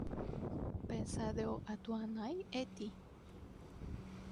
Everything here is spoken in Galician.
Pensádeo a túa nai e ti.